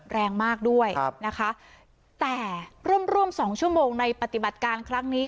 แรงมากด้วยนะคะแต่ร่วมร่วม๒ชั่วโมงในปฏิบัติการครั้งนี้